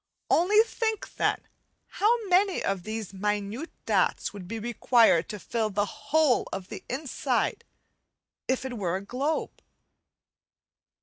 Only think, then, how many of these minute dots would be required to fill the whole of the inside of Fig. 4, if it were a globe.